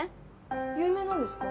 有名なんですか？